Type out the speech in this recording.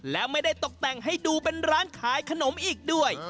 และไม่ได้ตกแต่งให้ดูเป็นร้านขายขนมอีกด้วย